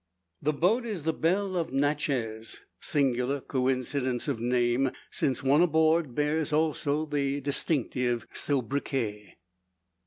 The boat is the "Belle of Natchez." Singular coincidence of name; since one aboard bears also the distinctive sobriquet.